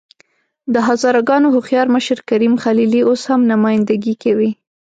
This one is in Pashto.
د هزاره ګانو هوښیار مشر کریم خلیلي اوس هم نمايندګي کوي.